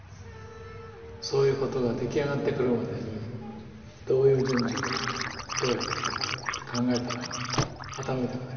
そういうことが出来上がってくるまでにどういう順序でどうやってきたのかって考えたら頭痛くなります。